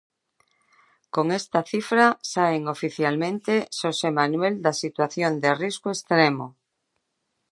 Con esta cifra saen oficialmente, Xosé Manuel, da situación de risco extremo.